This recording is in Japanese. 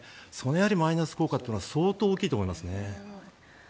やはりマイナス効果というのは相当大きいと思いますね。